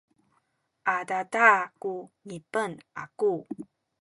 adada ku ngipen aku